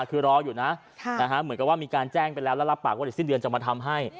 คือรออยู่นะเหมือนกับว่ามีการแจ้งไปแล้วแล้วรับปากว่าเดี๋ยวสิ้นเดือนจะมาทำให้